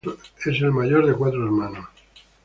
Es el mayor de cuatro hermanos.